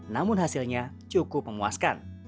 namun hasilnya cukup memuaskan